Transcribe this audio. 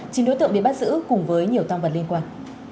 chính đối tượng bị bắt giữ cùng với nhiều toàn vật liên quan